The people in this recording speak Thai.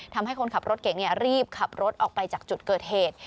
ทำให้คนขับรถเก่งรีบขับรถออกไปจากจุดเกิดเหตุ